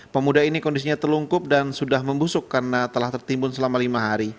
pemuda ini kondisinya terlungkup dan sudah membusuk karena telah tertimbun selama lima hari